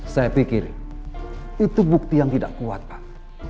saya pikir itu bukti yang tidak kuat pak